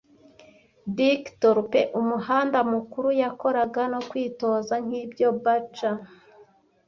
Dick Turpin umuhanda mukuru yakoraga no kwitoza nkibyo Butcher